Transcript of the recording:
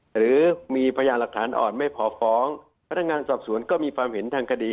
หรือมีพยานหลักฐานอ่อนไม่พอฟ้องพนักงานสอบสวนก็มีความเห็นทางคดี